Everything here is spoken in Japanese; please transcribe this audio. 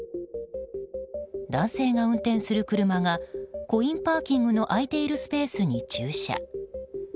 男性が運転する車がコインパーキングの空いているスペースに駐車。